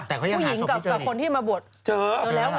แต่เขายังหาศพที่เจอไหนผู้หญิงกับคนที่มาบวก